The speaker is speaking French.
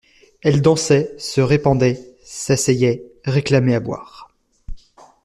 Elle dansait, se répandait, s'asseyait, réclamait à boire.